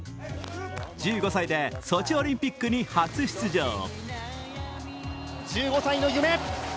１５歳でソチオリンピックに初出場。